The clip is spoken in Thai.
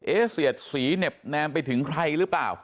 เอเซียโชน์สีแนบแนนไปถึงไหนหรือเปล่า